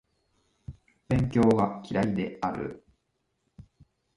勉強が嫌いである